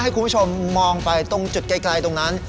ให้คุณผู้ชมมองไปตรงจุดไกลตรงนั้น